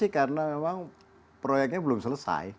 karena memang proyeknya belum selesai